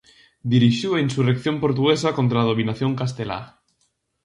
Dirixiu a insurrección portuguesa contra a dominación castelá.